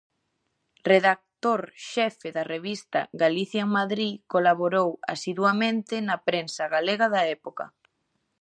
Redactor xefe da revista Galicia en Madrid, colaborou asiduamente na prensa galega da época.